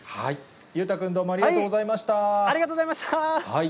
裕太君、どうもありがとうごありがとうございました。